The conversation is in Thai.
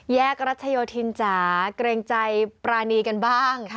แยกรัชโยธินจ๋าเกรงใจปรานีกันบ้าง